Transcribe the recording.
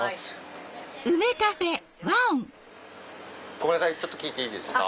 ごめんなさい聞いていいですか？